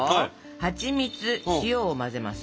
はちみつ塩を混ぜます。